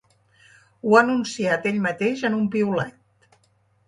Ho ha anunciat ell mateix en un piulet.